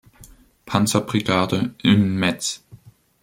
Panzerbrigade in Metz.